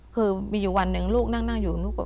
คือมีอยู่วันหนึ่งลูกนั่งอยู่ลูกก็